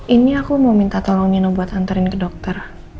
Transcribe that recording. ini aku mau minta tolongnya buat nganterin ke dokter